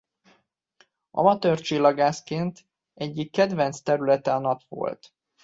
Amatőrcsillagászként egyik kedvenc területe a Nap volt.